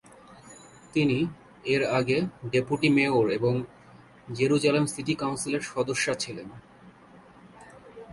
তিনি এর আগে ডেপুটি মেয়র এবং জেরুজালেম সিটি কাউন্সিলের সদস্যা ছিলেন।